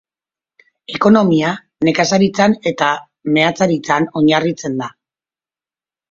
Ekonomia nekazaritzan eta meatzaritzan oinarritzen da.